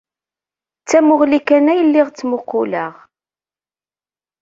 D tamuɣli kan ay lliɣ ttmuqquleɣ.